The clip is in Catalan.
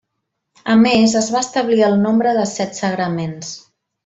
A més es va establir el nombre de set sagraments.